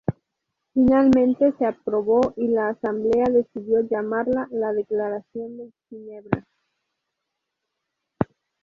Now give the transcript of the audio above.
Finalmente, se aprobó y la Asamblea decidió llamarla "La Declaración de Ginebra".